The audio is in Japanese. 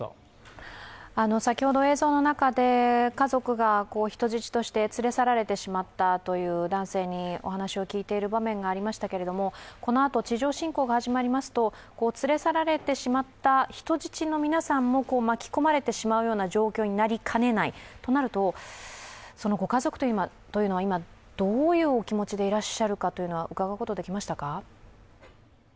先ほど映像の中で、家族が人質として連れ去られてしまったという男性にお話を聞いている場面がありましたけど、このあと地上侵攻がありますと連れ去られてしまった人質の皆さんも巻き込まれてしまうような状況になりかねないご家族というのは、今どういうお気持ちでいらっしゃるのか、伺うことはできましたか？